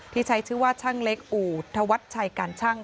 ที่ใช้ชื่อว่าช่างเล็กอู่ธวัฒน์ชายการช่างค่ะ